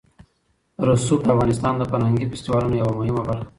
رسوب د افغانستان د فرهنګي فستیوالونو یوه مهمه برخه ده.